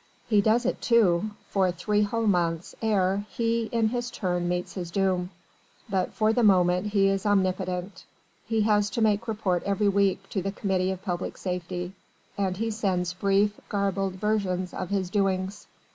He does it too for three whole months ere he in his turn meets his doom. But for the moment he is omnipotent. He has to make report every week to the Committee of Public Safety, and he sends brief, garbled versions of his doings.